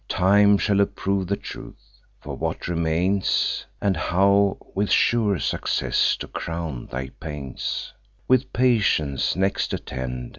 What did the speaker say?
Time shall approve the truth. For what remains, And how with sure success to crown thy pains, With patience next attend.